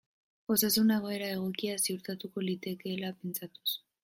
Osasun egoera egokia ziurtatuko liekeela pentsatuz.